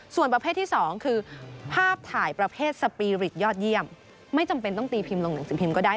ส่วนประเภทที่๒คือภาพถ่ายประเภทสปีริตยอดเยี่ยมไม่จำเป็นต้องตีพิมพ์ลงหนังสือพิมพ์ก็ได้